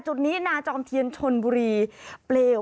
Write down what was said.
จุดนี้นาจอมเทียนชนบุรีเปลว